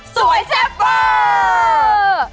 สวยแซ็บเวอร์